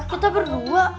kita berdua nih